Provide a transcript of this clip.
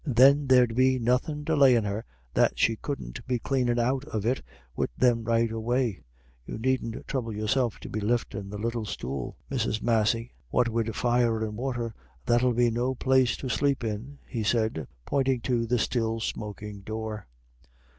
Then there'd be nothin' delayin' her that she couldn't be cleanin' out of it wid them right away You needn't throuble yourself to be liftin' the little stool, Mrs. Massey. What wid fire and water, that'll be no place to sleep in," he said, pointing to the still smoking door.